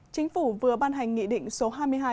chính phủ vừa ban hành nghị định số hai mươi hai